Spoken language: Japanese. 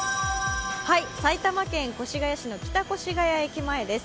埼玉県越谷市の北越谷駅前です。